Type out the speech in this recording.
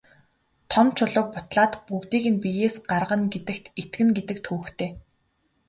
Том чулууг бутлаад бүгдийг нь биеэс гаргана гэдэгт итгэнэ гэдэг төвөгтэй.